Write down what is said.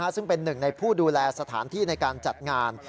ซึ่งเป็นหนึ่งในผู้ดูแลสถานที่ในการจัดงาน